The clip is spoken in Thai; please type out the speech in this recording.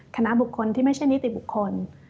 คณะบุคคลที่ไม่ใช่นิติบุคคล